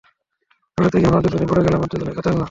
দৌড়াতে গিয়ে আমরা দুজনেই পড়ে গেলাম আর দুজনেই কাঁদতে লাগলাম।